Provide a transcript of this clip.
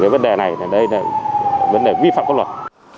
vấn đề này đây là vấn đề vi phạm pháp luật